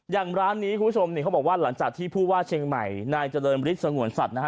อย่างร้านนี้คุณผู้ชมนี่เขาบอกว่าหลังจากที่ผู้ว่าเชียงใหม่นายเจริญฤทธิสงวนสัตว์นะฮะ